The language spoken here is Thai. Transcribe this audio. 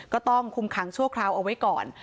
ก็ต้องคุมขังชั่วคราวเอาไว้ก่อน